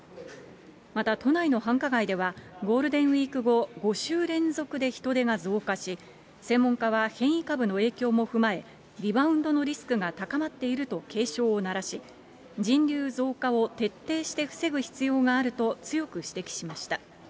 また都内の繁華街では、ゴールデンウィーク後、５週連続で人出が増加し、専門家は変異株の影響も踏まえ、リバウンドのリスクが高まっていると警鐘を鳴らし、人流増加を徹底して防ぐ必要があると、強く指摘しました。